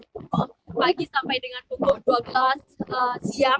pukul pagi sampai dengan pukul dua belas siang